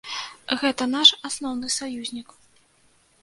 Гэта наш асноўны саюзнік.